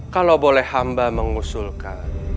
kalau boleh hamba mengusul kak